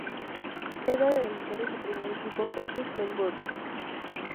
Juega de delantero y su primer equipo fue South Melbourne.